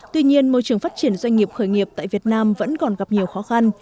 tuy nhiên môi trường phát triển doanh nghiệp khởi nghiệp tại việt nam vẫn còn gặp nhiều khó khăn